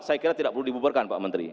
saya kira tidak perlu dibubarkan pak menteri